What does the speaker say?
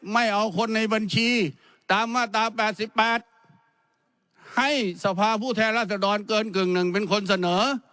ไม่เอาคนในบัญชีตามมาตรา๘๘ให้สภาผู้แทนรัศดรเกินกึ่งหนึ่งเป็นคนเสนอ